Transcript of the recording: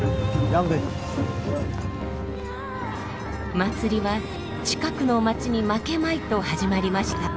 祭りは近くの街に負けまいと始まりました。